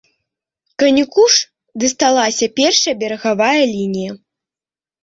Канюку ж дасталася першая берагавая лінія.